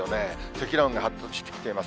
積乱雲が発達してきています。